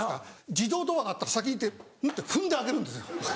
自動ドアがあったら先に行って踏んで開けるんですよ。